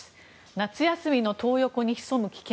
夏休みのトー横に潜む危険。